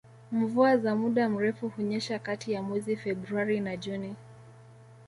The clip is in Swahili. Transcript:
Mvua za muda mrefu hunyesha kati ya mwezi Februari na Juni